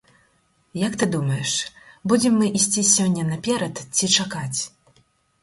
Як ты думаеш, будзем мы ісці сёння наперад ці чакаць?